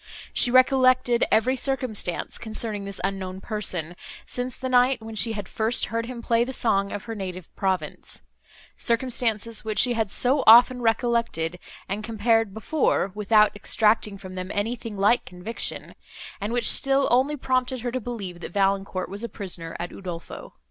She recollected every circumstance, concerning this unknown person, since the night, when she had first heard him play the song of her native province;—circumstances, which she had so often recollected, and compared before, without extracting from them anything like conviction, and which still only prompted her to believe, that Valancourt was a prisoner at Udolpho.